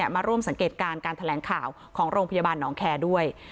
มาร่วมสังเกตการณ์การแถลงข่าวของโรงพยาบาลหนองแคร์ด้วย